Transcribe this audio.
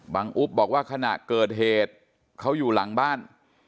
อุ๊บบอกว่าขณะเกิดเหตุเขาอยู่หลังบ้าน